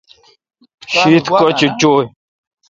شیت کوتھ چویں ۔